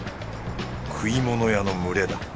食い物屋の群れだ。